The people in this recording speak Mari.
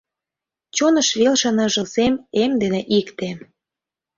Чоныш велше ныжыл сем эм дене икте.